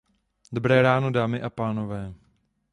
Dobré ráno, dámy a pánové.